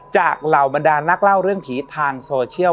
เหล่าบรรดานักเล่าเรื่องผีทางโซเชียล